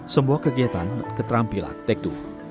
semua kegiatan keterampilan tekdu